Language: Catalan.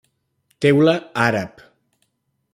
Teula àrab.